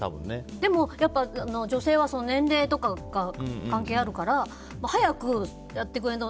でも、女性は年齢とかが関係あるから早くやってくれと。